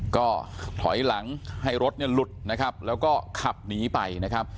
ก็ถอยหลังให้รถเนี่ยหลุดนะครับแล้วก็ขับหนีไปนะครับ